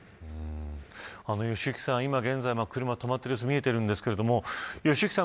良幸さん、今現在車が止まっている様子見てるんですけど良幸さん